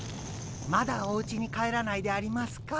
まだおうちに帰らないでありますか？